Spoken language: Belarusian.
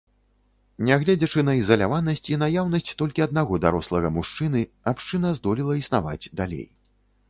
Негледзячы на ізаляванасць і наяўнасць толькі аднаго дарослага мужчыны, абшчына здолела існаваць далей.